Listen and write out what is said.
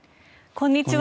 こんにちは。